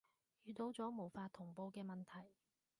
遇到咗無法同步嘅問題